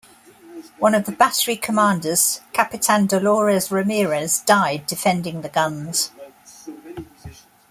One of the battery commanders Capitan Dolores Ramires died defending the guns.